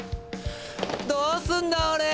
どうすんだオレ！